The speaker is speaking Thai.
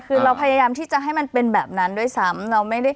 คือเราพยายามที่จะให้มันเป็นแบบนั้นด้วยซ้ำ